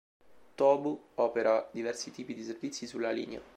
Tōbu opera diversi tipi di servizi sulla linea.